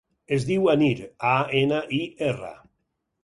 Es diu Anir: a, ena, i, erra.